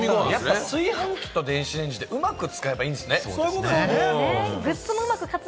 炊飯器と電子レンジって、うまく使えばいいんですね。